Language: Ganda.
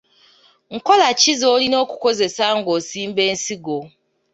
Nkola ki z'olina okukozesa ng'osimba ensigo?